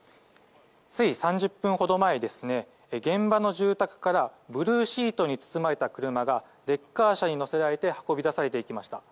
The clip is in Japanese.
つい３０分ほど前現場の住宅からブルーシートに包まれた車がレッカー車に載せられて運び出されていきました。